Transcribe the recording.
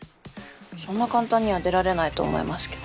そんな簡単には出られないと思いますけど。